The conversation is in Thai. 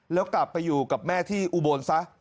แล้วกลับไปอยู่กับแม่ที่อุบลซะ